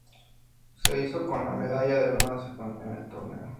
Curazao se hizo con la medalla de bronce en el torneo.